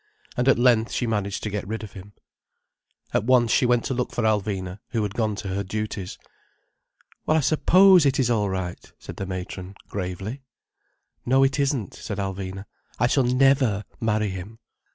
And at length she managed to get rid of him. At once she went to look for Alvina, who had gone to her duties. "Well, I suppose it is all right," said the matron gravely. "No it isn't," said Alvina. "I shall never marry him."